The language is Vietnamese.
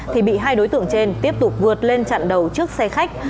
thì bị hai đối tượng trên tiếp tục vượt lên chặn đầu trước xe khách